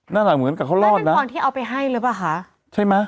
น่ารักเหมือนกับเขารอดนะน่าเป็นของที่เอาไปให้เลยป่ะคะใช่มั้ย